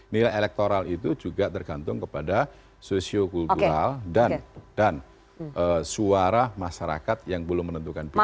nilai elektoral itu juga tergantung kepada sosio kultural dan suara masyarakat yang belum menentukan pilihan